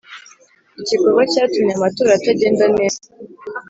igikorwa cyatuma amatora atagenda neza.